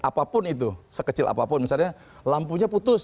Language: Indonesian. apapun itu sekecil apapun misalnya lampunya putus